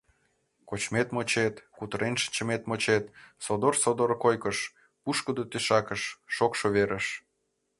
Кочмет-мочет, кутырен шинчымет-мочет — содор-содор койкыш, пушкыдо тӧшакыш, шокшо верыш.